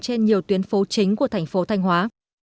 trên nhiều tuyến phố chính của thành phố thanh hóa